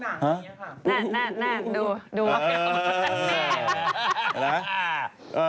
แน่ดู